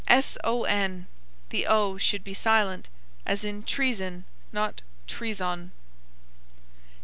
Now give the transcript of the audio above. son, the o should be silent; as in treason, tre zn, not tre son.